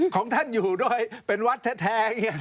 ของท่านอยู่ด้วยเป็นวัดแท้อย่างนี้